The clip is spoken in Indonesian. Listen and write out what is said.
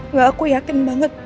nggak aku yakin